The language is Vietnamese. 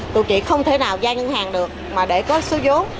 tụi chị không thể nào giao ngân hàng được mà để có số vốn